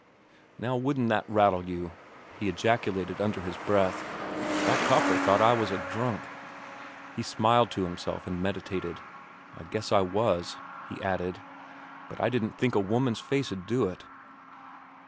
"Now wouldn't that rattle you?" he ejaculated under his breath. "That copper thought I was drunk." He smiled to himself and meditated. "I guess I was," he added; "but I didn't think a woman's face'd do it."